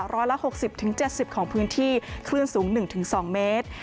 ร้อยละ๖๐๗๐ของพื้นที่คลื่นสูง๑๒เมตร